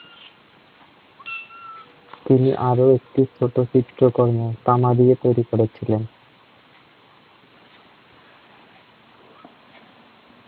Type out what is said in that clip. তিনি আরও কয়েকটি ছোট চিত্রকর্ম তামা দিয়ে তৈরি করেছিলেন।